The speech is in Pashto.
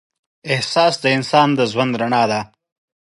احساس د انسان د روح رڼا ده.